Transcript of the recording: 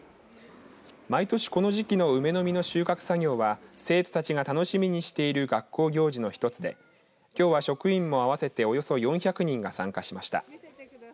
毎年この時期の梅の実の収穫作業は生徒たちが楽しみにしている学校行事の一つできょうは職員も合わせておよそ４００人が参加しました。